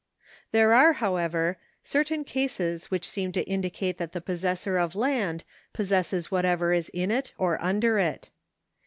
There are, however, certain cases which seem to indicate that the possessor of land possesses whatever is in it or under it.